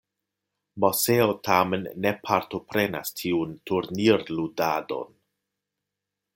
Moseo tamen ne partoprenas tiun turnirludadon.